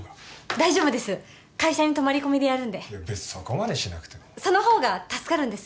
大丈夫です会社に泊まり込みでやるんで別にそこまでしなくてもその方が助かるんです